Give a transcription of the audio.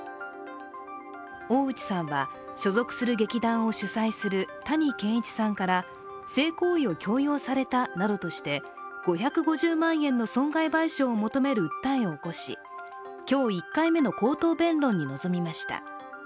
大内さんは所属する劇団を主宰する谷賢一さんから性行為を供与されたなどとして５５０万円の損害賠償を求める訴えを起こし、今日、１回目の口頭弁論に臨みました。